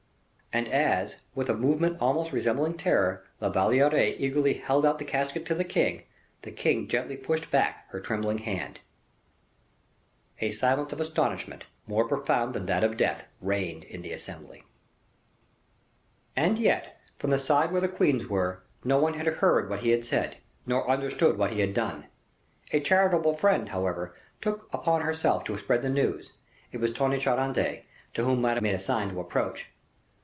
And as, with a movement almost resembling terror, La Valliere eagerly held out the casket to the king, the king gently pushed back her trembling hand. A silence of astonishment, more profound than that of death, reigned in the assembly. And yet, from the side where the queens were, no one had heard what he had said, nor understood what he had done. A charitable friend, however, took upon herself to spread the news; it was Tonnay Charente, to whom Madame had made a sign to approach.